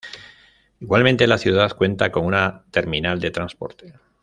Igualmente, la ciudad cuenta con una terminal de transporte.